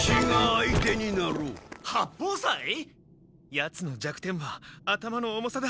やつの弱点は頭の重さだ。